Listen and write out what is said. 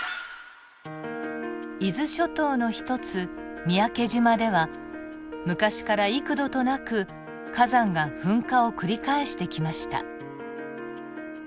伊豆諸島の一つ三宅島では昔から幾度となく火山が噴火を繰り返してきました。